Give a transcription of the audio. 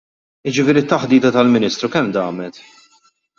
Jiġifieri t-taħdita mal-Ministru kemm damet?